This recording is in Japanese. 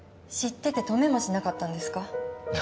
知ってて止めもしなかったんですか？